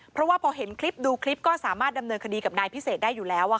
เพราะว่าพอเห็นคลิปดูคลิปก็สามารถดำเนินคดีกับนายพิเศษได้อยู่แล้ว